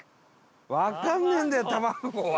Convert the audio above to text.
わかんねえんだよ、卵は。